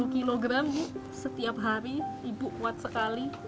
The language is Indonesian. tiga puluh kg setiap hari ibu kuat sekali